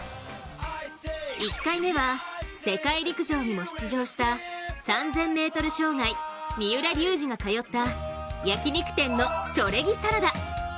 １回目は世界陸上にも出場した３０００ｍ障害、三浦龍司が通った焼き肉店のチョレギサラダ。